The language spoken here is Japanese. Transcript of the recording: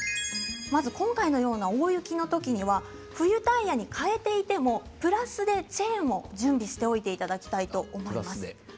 今回のような大雪のときには冬タイヤに替えていてもプラスでチェーンを準備しておいていただきたいと思います。